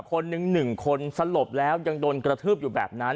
คนหนึ่ง๑คนสลบแล้วยังโดนกระทืบอยู่แบบนั้น